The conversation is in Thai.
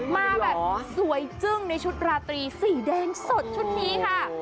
มาแบบสวยจึ้งในชุดราตรีสีแดงสดชุดนี้ค่ะ